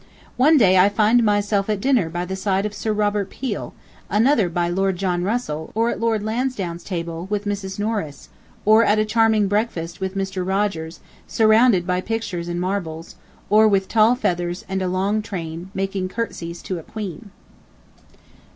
One day I find myself at dinner by the side of Sir Robert Peel, another by Lord John Russell, or at Lord Lansdowne's table, with Mrs. Norton, or at a charming breakfast with Mr. Rogers, surrounded by pictures and marbles, or with tall feathers and a long train, making curtsies to a queen.